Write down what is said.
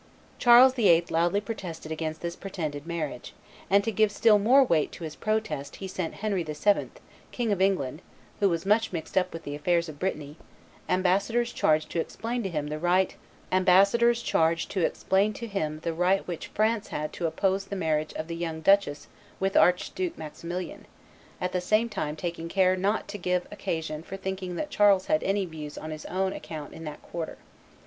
Charles VIII. loudly protested against this pretended marriage; and to give still more weight to his protest he sent to Henry VII., King of England, who was much mixed up with the affairs of Brittany, ambassadors charged to explain to him the right which France had to oppose the marriage of the young Duchess with Archduke Maximilian, at the same time taking care not to give occasion for thinking that Charles had any views on his own account in that quarter.